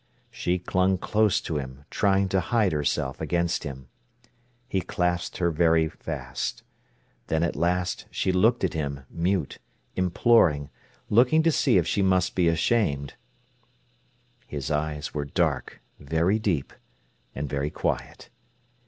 She clung close to him, trying to hide herself against him. He clasped her very fast. Then at last she looked at him, mute, imploring, looking to see if she must be ashamed. His eyes were dark, very deep, and very quiet.